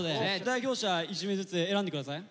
代表者１名ずつ選んで下さい。